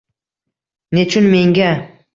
Nechun menga